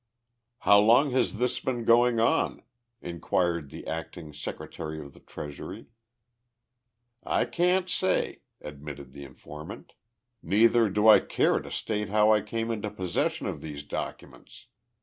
"How long has this been going on?" inquired the acting Secretary of the Treasury. "I can't say," admitted the informant. "Neither do I care to state how I came into possession of these documents.